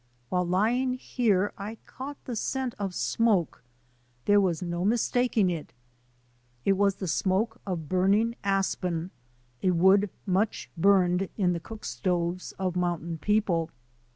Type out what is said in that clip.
While lying here I caught the scent of smoke. There was no mis taking it. It was the smoke of burning aspen, a wood much burned in the cook stoves of moun tain people.